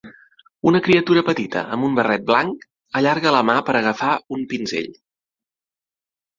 Una criatura petita amb un barret blanc allarga la mà per agafar un pinzell.